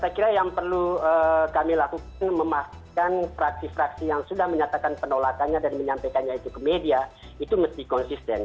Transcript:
saya kira yang perlu kami lakukan memastikan fraksi fraksi yang sudah menyatakan penolakannya dan menyampaikannya itu ke media itu mesti konsisten